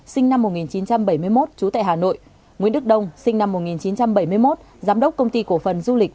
sinh năm một nghìn chín trăm bảy mươi một trú tại hà nội nguyễn đức đông sinh năm một nghìn chín trăm bảy mươi một giám đốc công ty cổ phần du lịch